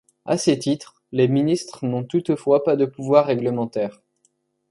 À ces titres, les ministres n'ont toutefois pas de pouvoir règlementaire.